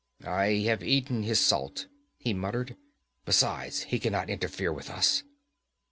'I have eaten his salt,' he muttered. 'Besides, he can not interfere with us.'